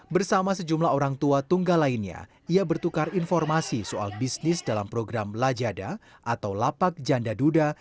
bersama sejumlah orang tua tunggal lainnya ia bertukar informasi soal bisnis dalam program lajada atau lapak janda duda